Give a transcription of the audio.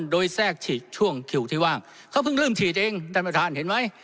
โดยแทรกฉีกช่วงคิวที่ว่างเขาเพิ่งเริ่มฉีดเองท่านประธานเห็นไหม